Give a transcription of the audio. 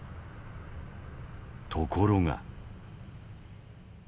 ところが。